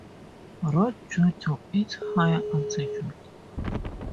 Road due to its higher altitude.